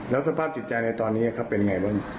แล้วสภาพจิตใจในตอนนี้เป็นอย่างไรบ้าง